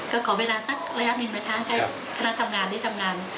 ก็ขอเวลาสักระยะหนึ่งนะคะให้คณะทำงานได้ทำงาน